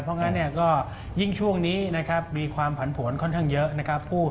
เพราะฉะนั้นยิ่งช่วงนี้มีความผลผลค่อนข้างเยอะ